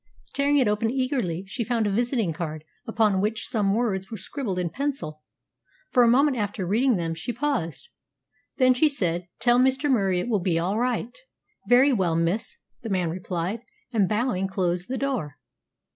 Tearing it open eagerly, she found a visiting card, upon which some words were scribbled in pencil. For a moment after reading them she paused. Then she said, "Tell Mr. Murie it will be all right." "Very well, miss," the man replied, and, bowing, closed the door.